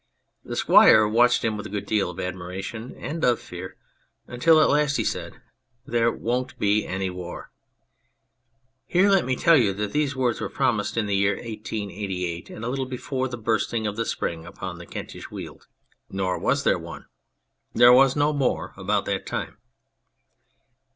The Squire watched him with a good deal of admiration and of fear, until at last he said, "There won't be any war." Here let me tell you that these words were pronounced in the year 1888, and a little before the bursting of the spring upon the Kentish Weald. 64 On a Prophet Nor was there one. There was no war about that time.